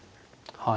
はい。